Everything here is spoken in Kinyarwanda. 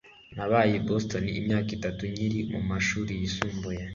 Nabaye i Boston imyaka itatu nkiri mu mashuri yisumbuye.